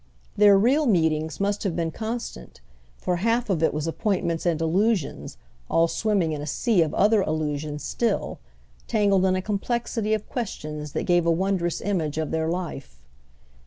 Their real meetings must have been constant, for half of it was appointments and allusions, all swimming in a sea of other allusions still, tangled in a complexity of questions that gave a wondrous image of their life.